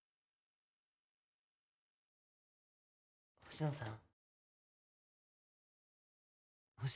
・星野さん。